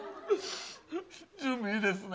準備いいですね。